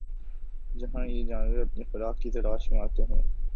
جہاں یہ جانور اپنی خوراک کی تلاش میں آتے ہیں